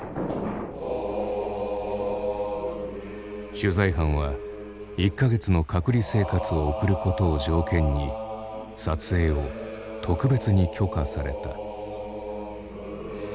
取材班は１か月の隔離生活を送ることを条件に撮影を特別に許可された。